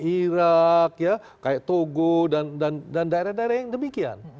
afganistan irak kayak togo dan daerah daerah yang demikian